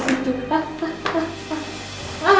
dia ngurir lagi di situ